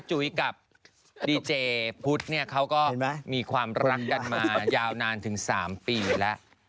จุ๋ยกับดีเจพุทธเนี่ยเขาก็มีความรักกันมายาวนานถึง๓ปีแล้ว